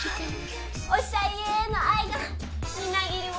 おしゃ家への愛がみなぎるわ！